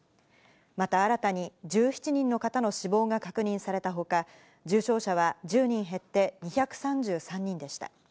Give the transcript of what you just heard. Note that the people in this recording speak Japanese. また新たに１７人の方の死亡が確認されたほか、重症者は１０人減って、２３３人でした。